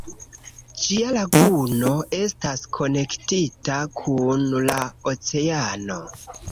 Ĝia laguno estas konektita kun la oceano.